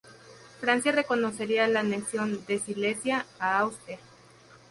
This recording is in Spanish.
Francia reconocería la anexión de Silesia a Austria.